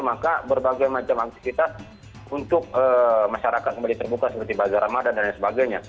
maka berbagai macam aktivitas untuk masyarakat kembali terbuka seperti bazar ramadan dan lain sebagainya